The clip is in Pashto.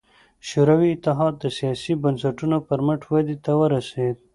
شوروي اتحاد د سیاسي بنسټونو پر مټ ودې ته ورسېد.